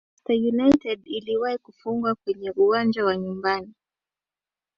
manchester united iliwahi kufungwa kwenye uwanja wa nyumbani